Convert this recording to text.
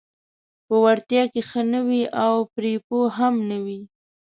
په وړتیا کې ښه نه وي او پرې پوه هم نه وي: